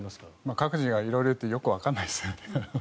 各自が色々言ってよくわからないですよね。